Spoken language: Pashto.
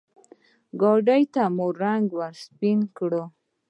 ګاډي ته مو سپين رنګ ورکړ.